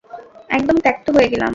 একদম ত্যাক্ত হয়ে গেলাম!